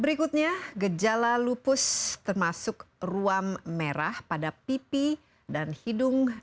berikutnya gejala lupus termasuk ruam merah pada pipi dan hidung